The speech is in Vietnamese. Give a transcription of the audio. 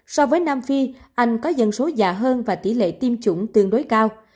so với nam phi anh có dân số già hơn và tỷ lệ tiêm chủng tương đối cao